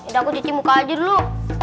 nanti aku cuci muka aja dulu